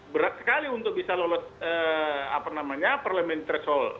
berat sekali untuk bisa lolos apa namanya parliamentary threshold